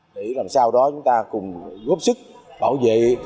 để làm sao đó chúng ta cùng góp sức bảo vệ